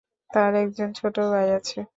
তার একজন ছোট ভাই আছে।